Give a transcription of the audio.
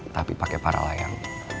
tapi pake para layang